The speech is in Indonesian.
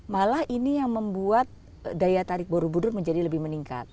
malah ini yang membuat daya tarik borobudur menjadi lebih meningkat